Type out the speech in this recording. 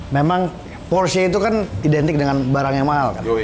memang porsnya itu kan identik dengan barang yang mahal kan